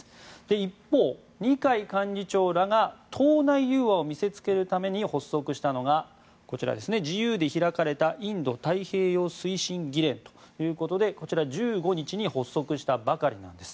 一方、二階幹事長らが党内融和を見せつけるために発足したのがこちら自由で開かれたインド太平洋推進議連ということでこちら、１５日に発足したばかりなんです。